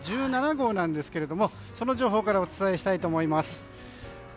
１７号なんですけれどもその情報からお伝えしたいと思います。